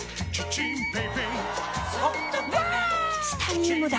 チタニウムだ！